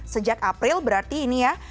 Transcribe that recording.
sejak april berarti ini ya